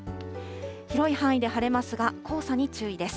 広い範囲で晴れますが、黄砂に注意です。